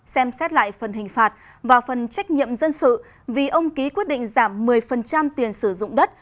xem xét lại phần hình phạt và phần trách nhiệm dân sự vì ông ký quyết định giảm một mươi tiền sử dụng đất